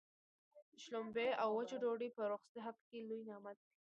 شلومبې او وچه ډوډۍ په روغ صحت کي لوی نعمت دی.